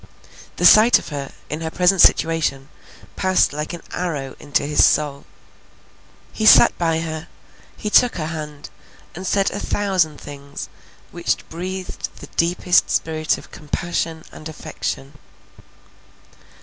The sight of her, in her present situation, passed like an arrow into his soul. He sat by her, he took her hand, and said a thousand things which breathed the deepest spirit of compassion and affection.